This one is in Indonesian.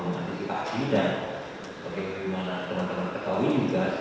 yang terakhir ini sedikit banyak juga dipengaruhi oleh komisi global